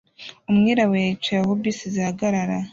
Umwirabura yicaye aho bisi zihagarara